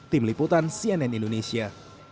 tim liputan cnn indonesia